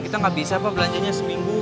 kita nggak bisa pak belanjanya seminggu